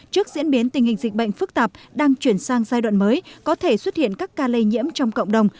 trước diễn biến tình hình dịch bệnh phức tạp đang chuyển sang giai đoạn mới có thể xuất hiện các ca lây nhiễm trong cộng đồng